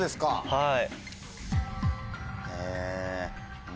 はい。